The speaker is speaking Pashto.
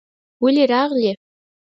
ولې راغلې؟